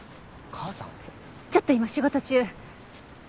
ちょっと今仕事中。